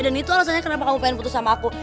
dan itu alasannya kenapa kamu pengen putus sama aku